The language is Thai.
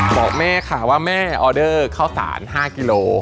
บอกแม่ค่ะว่าแม่ออเดอร์เข้าสาร๕กิโล